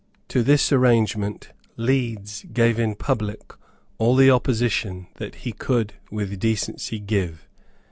To this arrangement Leeds gave in public all the opposition that he could with decency give.